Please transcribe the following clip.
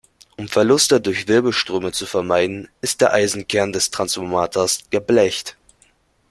Um Verluste durch Wirbelströme zu vermeiden, ist der Eisenkern des Transformators geblecht.